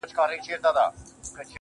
څلوريځه.